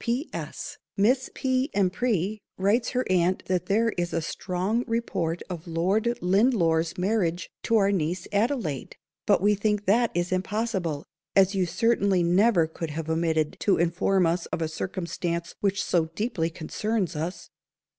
D." "P.S. Miss P. M'Pry writes her aunt that there is a strong _report _of Lord Lindore's marriage to our niece Adelaide; but _we _think that is impossible, as you certainly never could have omitted to inform us of a circumstance which so deeply concerns _us.